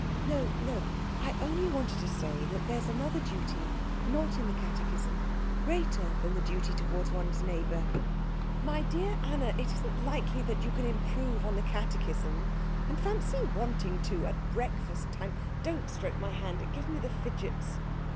"No, no I only wanted to say that there's another duty not in the catechism, greater than the duty towards one's neighbour " "My dear Anna, it isn't likely that you can improve on the catechism. And fancy wanting to, at breakfast time. Don't stroke my hand it gives me the fidgets."